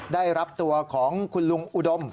ได้รับตัวของคุณลุงอุดม